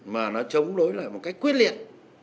mà nó chống đối lại một cách quyết liệt